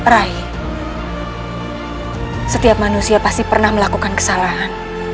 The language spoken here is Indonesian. peraih setiap manusia pasti pernah melakukan kesalahan